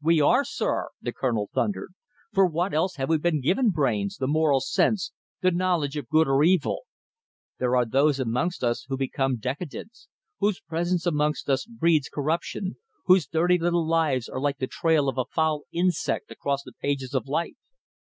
"We are, sir," the Colonel thundered. "For what else have we been given brains, the moral sense, the knowledge of good or evil? There are those amongst us who become decadents, whose presence amongst us breeds corruption, whose dirty little lives are like the trail of a foul insect across the page of life.